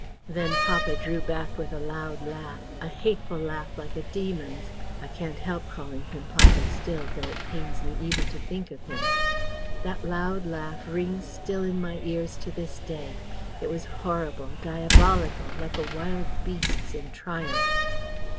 "Then papa drew back with a loud laugh a hateful laugh like a demon's. I can't help calling him papa still, though it pains me even to think of him. That loud laugh rings still in my ears to this day. It was horrible, diabolical, like a wild beast's in triumph.